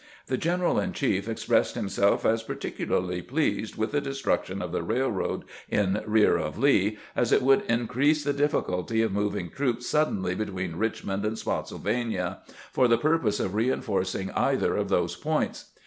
The general in chief expressed himself as par ticularly pleased with the destruction of the railroad in rear of Lee, as it would increase the difficulty of mov ing troops suddenly between Richmond and Spottsyl vania for the purpose of reinforcing either of those points.